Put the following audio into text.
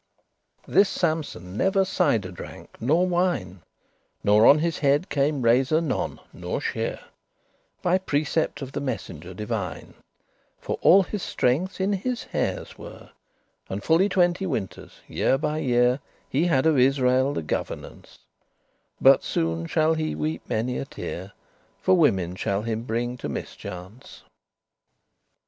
This Sampson never cider drank nor wine, Nor on his head came razor none nor shear, By precept of the messenger divine; For all his strengthes in his haires were; And fully twenty winters, year by year, He had of Israel the governance; But soone shall he weepe many a tear, For women shall him bringe to mischance.